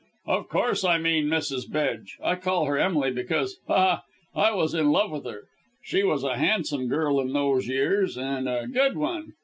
"Of course I mean Mrs. Bedge. I call her Emily because ha! ha! I was in love with her. She was a handsome girl in those years, and a good one.